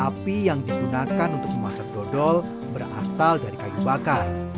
api yang digunakan untuk memasak dodol berasal dari kayu bakar